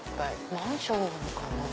マンションなのかな？